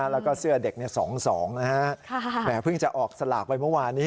แล้วก็เสื้อเด็ก๒๒นะฮะแหมเพิ่งจะออกสลากไปเมื่อวานนี้